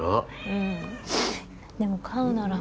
うんでも飼うなら